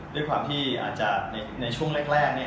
ด้วยความที่อาจจะในช่วงแรก